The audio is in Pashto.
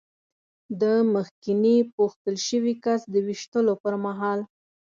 د مخکېني پوښتل شوي کس د وېشتلو پر مهال.